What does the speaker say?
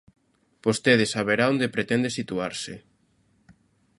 Vostede saberá onde pretende situarse.